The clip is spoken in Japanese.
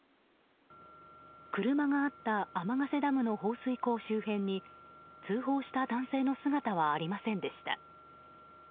車があった天ケ瀬ダムの放水口周辺に通報した男性の姿はありませんでした。